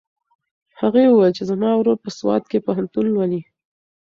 هغې وویل چې زما ورور په سوات کې پوهنتون لولي.